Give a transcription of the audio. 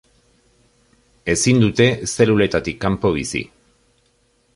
Ezin dute zeluletatik kanpo bizi.